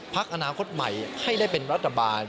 พักอนาคตใหม่ให้ได้เป็นรัฐบาล